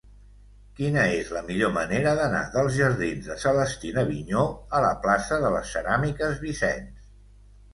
Quina és la millor manera d'anar dels jardins de Celestina Vigneaux a la plaça de les Ceràmiques Vicens?